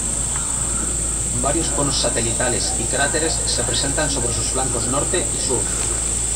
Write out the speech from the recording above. Varios conos satelitales y cráteres se presentan sobre sus flancos norte y sur.